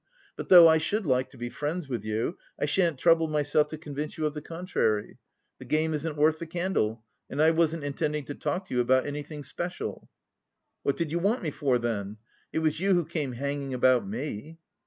But though I should like to be friends with you, I shan't trouble myself to convince you of the contrary. The game isn't worth the candle and I wasn't intending to talk to you about anything special." "What did you want me, for, then? It was you who came hanging about me."